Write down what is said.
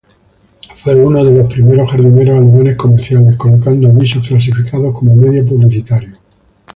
Fue uno de los primeros jardineros alemanes comerciales, colocando avisos clasificados como medio publicitario.